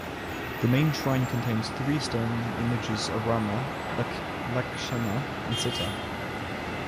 The main shrine contains three stone images of Rama, Lakshmana and Sita.